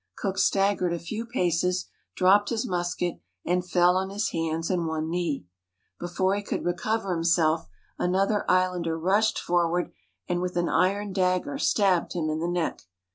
Cook staggered a few paces, dropped his musket, and fell on his hands and one knee. Before he could recover himself, another islander rushed for 517 ISLANDS OF THE PACIFIC ward, and with an iron dagger stabbed him in the neck.